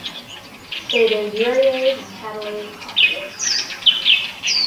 It is urease and catalase positive.